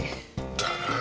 だな。